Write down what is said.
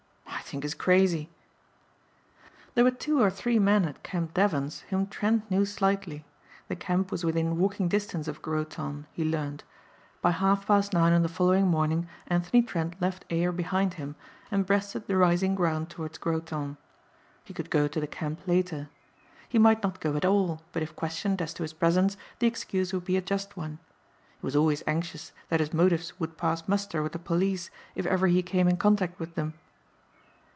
I think he's crazy." There were two or three men at Camp Devens whom Trent knew slightly. The Camp was within walking distance of Groton, he learned. By half past nine on the following morning Anthony Trent left Ayer behind him and breasted the rising ground towards Groton. He could go to the Camp later. He might not go at all but if questioned as to his presence the excuse would be a just one. He was always anxious that his motives would pass muster with the police if ever he came in contact with them.